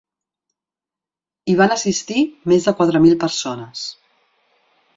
Hi van assistir més de quatre mil persones.